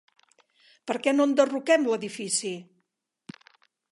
per què no enderroquem l'edifici?